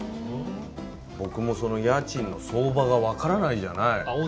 僕も、家賃の相場がわからないじゃない。